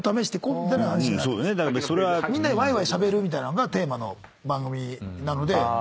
みんなでワイワイしゃべるみたいなのがテーマの番組なので。